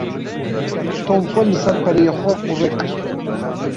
Tom xwe li ser pereyê xwe qure kir.